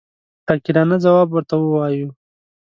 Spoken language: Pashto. عاقلانه ځواب ورته ووایو.